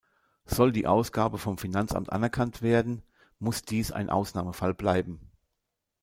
Soll die Ausgabe vom Finanzamt anerkannt werden, muss dies ein Ausnahmefall bleiben.